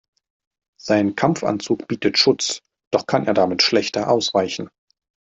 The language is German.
Sein Kampfanzug bietet Schutz, doch kann er damit schlechter ausweichen.